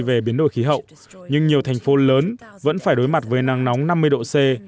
về biến đổi khí hậu nhưng nhiều thành phố lớn vẫn phải đối mặt với nắng nóng năm mươi độ c